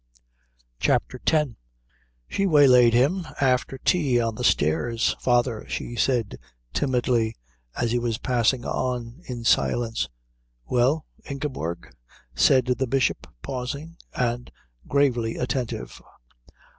CHAPTER X She waylaid him after tea on the stairs. "Father," she said timidly, as he was passing on in silence. "Well, Ingeborg?" said the Bishop, pausing and gravely attentive.